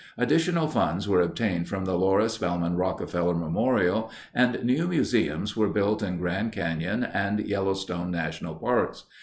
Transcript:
Additional funds were obtained from the Laura Spelman Rockefeller Memorial, and new museums were built in Grand Canyon and Yellowstone national parks.